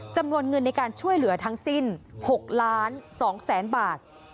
จำนวนเงินในการช่วยเหลือทั้งสิ้น๖ล้าน๒แสนบาท